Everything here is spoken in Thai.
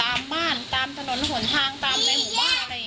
ตามบ้านตามถนนหนทางตามในหมู่บ้านอะไรอย่างนี้